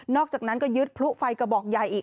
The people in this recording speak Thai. อกจากนั้นก็ยึดพลุไฟกระบอกใหญ่อีก